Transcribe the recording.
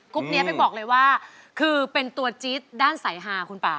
นี้เป๊กบอกเลยว่าคือเป็นตัวจี๊ดด้านสายฮาคุณป่า